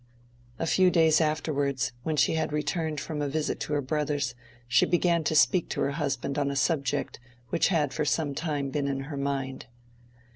A few days afterwards, when she had returned from a visit to her brother's, she began to speak to her husband on a subject which had for some time been in her mind.